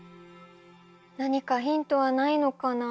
何かヒントはないのかな。